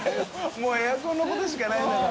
もうエアコンのことしかないんだから。